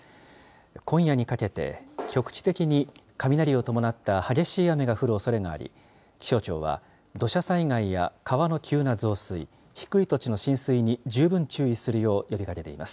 今夜にかけて、局地的に雷を伴った激しい雨が降るおそれがあり、気象庁は土砂災害や川の急な増水、低い土地の浸水に十分注意するよう呼びかけています。